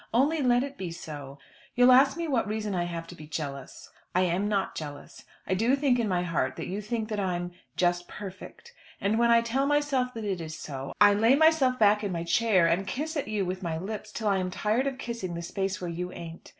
Only let it be so. You'll ask me what reason I have to be jealous. I am not jealous. I do think in my heart that you think that I'm just perfect. And when I tell myself that it is so, I lay myself back in my chair and kiss at you with my lips till I am tired of kissing the space where you ain't.